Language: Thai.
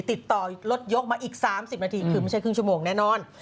ติดต่อรถยกมาอีก๓๐นาทีคือไม่ใช่ครึ่งชั่วโมงแน่นอน